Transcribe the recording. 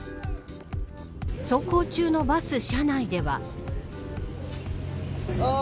走行中のバス車内では。